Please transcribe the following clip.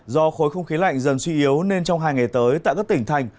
do khối không khí lạnh dần suy yếu nên trong hai ngày tới tại các tỉnh thành